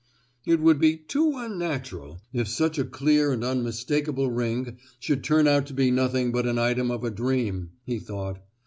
"It would be too unnatural if such a clear and unmistakable ring should turn out to be nothing but an item of a dream!" he thought.